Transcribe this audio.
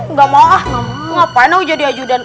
nggak mau ah ngapain aku jadi ajudan